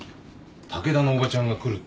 「竹田のおばちゃんが来る」